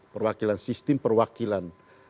perwakilan sistem perwakilan